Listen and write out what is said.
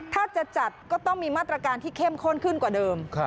ถ้าจะจัดก็ต้องมีมาตรการที่เข้มข้นขึ้นกว่าเดิม